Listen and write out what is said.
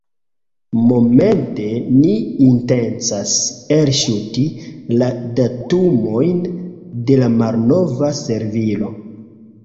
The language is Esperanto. Momente ni intencas elŝuti la datumojn de la malnova servilo.